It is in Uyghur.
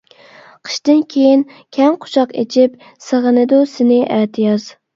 قىشتىن كېيىن كەڭ قۇچاق ئېچىپ، سېغىنىدۇ سېنى ئەتىياز.